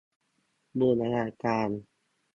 บูรณาการ